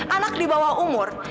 anak di bawah umur